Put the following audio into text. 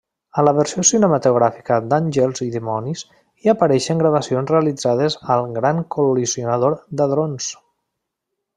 A la versió cinematogràfica d'Àngels i dimonis hi apareixen gravacions realitzades al Gran Col·lisionador d'Hadrons.